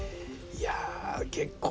いや結構ね